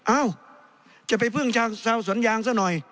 เอ้าจะไปพึ่งชาวสวนยางซะหน่อย